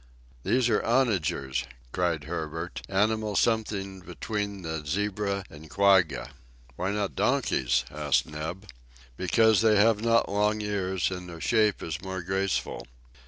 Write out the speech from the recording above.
"These are onagers!" cried Herbert, "animals something between the zebra and the quagga!" "Why not donkeys?" asked Neb. "Because they have not long ears, and their shape is more graceful!"